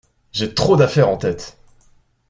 J'ai trop d'affaires en tête!